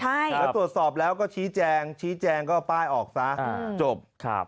แล้วตรวจสอบแล้วก็ชี้แจงชี้แจงก็ป้ายออกซะจบ